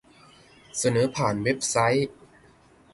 เสนอผ่านเว็บไซต์